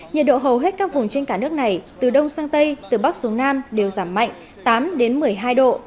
nhiệt độ hầu hết các vùng trên cả nước này từ đông sang tây từ bắc xuống nam đều giảm mạnh tám đến một mươi hai độ